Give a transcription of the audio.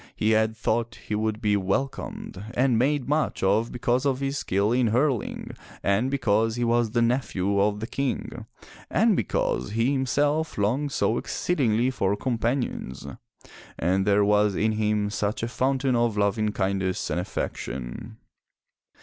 He had thought he would be welcomed and made much of because of his skill in hurling, and because he was the nephew of the King, and because he himself longed so exceedingly for companions, and there was in him such a fountain of loving kindness and affection.